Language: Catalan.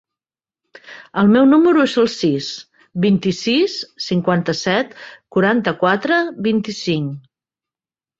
El meu número es el sis, vint-i-sis, cinquanta-set, quaranta-quatre, vint-i-cinc.